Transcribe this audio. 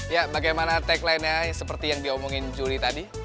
ya bagaimana tagline nya seperti yang diomongin juli tadi